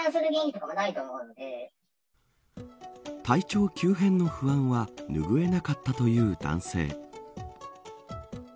体調急変の不安はぬぐえなかったという男性。